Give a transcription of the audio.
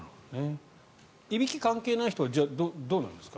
いびき関係ない人はどうなんですか？